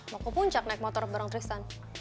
mau ke puncak naik motor bareng tristan